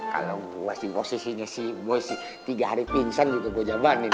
kalo gua sih posisinya si boy si tiga hari pingsan juga gua jamanin